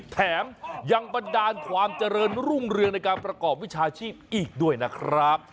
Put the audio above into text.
แถมยังบันดาลความเจริญรุ่งเรืองในการประกอบวิชาชีพอีกด้วยนะครับ